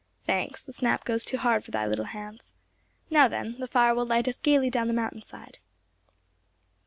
Thanks; the snap goes too hard for thy little hands. Now, then, the fire will light us gaily down the mountain side."